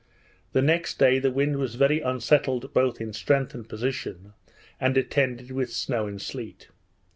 The next day the wind was very unsettled both in strength and position, and attended with snow and sleet.